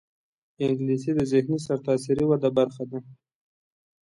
انګلیسي د ذهني سرتاسري وده برخه ده